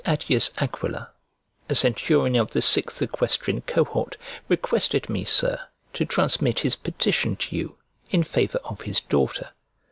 ATTIUS AQUILA, a centurion of the sixth equestrian cohort, requested me, Sir, to transmit his petition to you, in favour of his daughter.